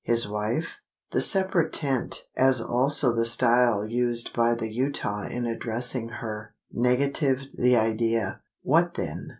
His wife? The separate tent, as also the style used by the Utah in addressing her, negatived the idea. What then?